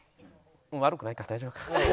悪くないか大丈夫か。